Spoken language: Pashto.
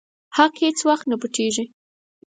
حق هيڅ وخت نه پټيږي.